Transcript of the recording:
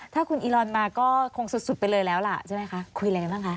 ถ้าคุณอีลอนมาก็คงสุดไปเลยแล้วล่ะใช่ไหมคะคุยอะไรกันบ้างคะ